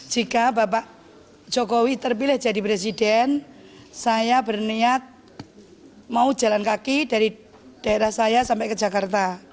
jika bapak jokowi terpilih jadi presiden saya berniat mau jalan kaki dari daerah saya sampai ke jakarta